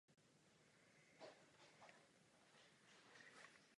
Po otevření zájem o město i celý ostrov Svatá Helena upadá.